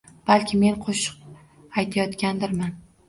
Balki men qo‘shib aytayotgandirman.